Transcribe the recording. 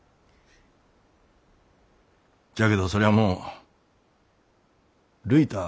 じゃけどそりゃあもうるいたあ